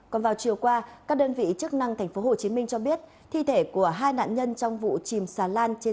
còn vào chiều qua các đơn vị chức năng tp hcm cho biết thi thể của hai nạn nhân trong vụ chìm xà lan trên sông sài gòn